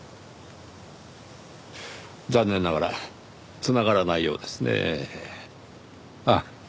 残念ながら繋がらないようですねぇ。